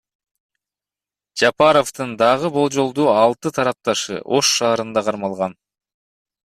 Жапаровдун дагы болжолдуу алты тарапташы Ош шаарында кармалган.